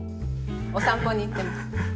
お散歩に行ってます。